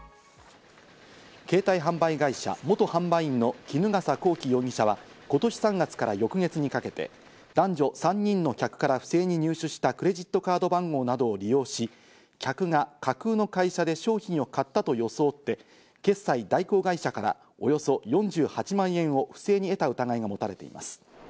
携帯販売会社元販売員の衣笠孝紀容疑者は今年３月から翌月にかけて、男女３人の客から不正に入手したクレジットカード番号などを利用し、客が架空の会社で商品を買ったと装って、決済代行会社からおよそ４８万円を不正に得た疑いがもたれています。